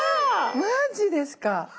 マジですか。